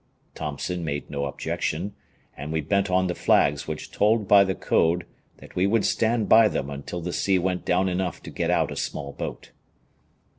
Thompson made no objection, and we bent on the flags which told by the code that we would stand by them until the sea went down enough to get out a small boat.